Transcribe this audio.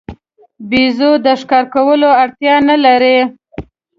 بیزو د ښکار کولو اړتیا نه لري.